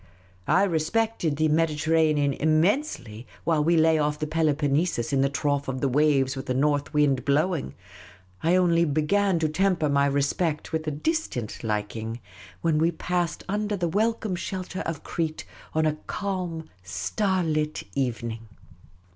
I respected the Mediterranean innnensely while we lay off the Peloponnesus in the trough of the waves with a north wind blowing ; I only began to temper my respect with a distant liking when we passed under the welcome shelter of Crete on a calm, star lit evening.